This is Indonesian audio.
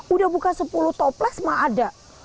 udah buka sepuluh toples mah ada